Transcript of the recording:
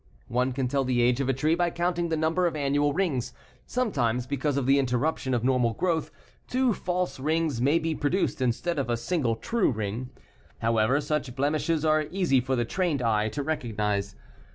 One can tell the age of a tree by counting the number of annual rings. Sometimes, because of the interruption of normal growth, two false rings may be produced instead of a single true ring. However, such blemishes are easy for the trained eye to recognize.